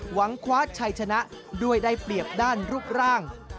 หวังคว้าชัยชนะด้วยได้เปรียบด้านรูปร่าง